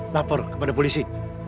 lapor kepada polisi